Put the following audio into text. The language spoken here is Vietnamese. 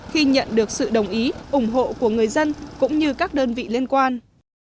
khi nhận được sự đồng ý ủng hộ của người dân cũng như các đơn vị liên quan